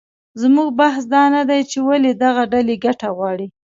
زموږ بحث دا نه دی چې ولې دغه ډلې ګټه غواړي